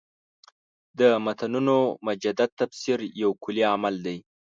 د متنونو مجدد تفسیر یو کُلي عمل دی.